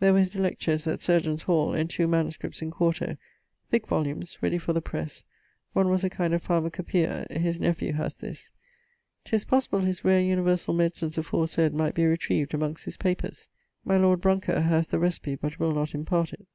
There were his lectures at Chirurgions' hall; and two manuscripts in 4to, thicke volumnes, readie for the presse, one was a kind of Pharmacopœaia (his nephew has this). 'Tis possible his rare universall medicines aforesayd might be retrived amongst his papers. My Lord Brounker has the recipe but will not impart it.